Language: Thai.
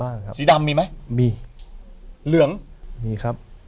ฤกษ์สีเหลืองก็มีอ่ะ